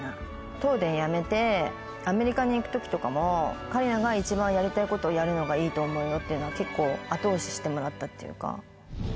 東電辞めて、アメリカに行くときとかも、桂里奈が一番やりたいことをやるのがいいと思うよっていうのは結構、後押ししてもらったっていうか。